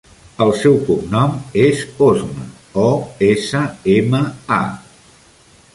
El seu cognom és Osma: o, essa, ema, a.